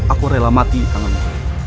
aku rela mati denganmu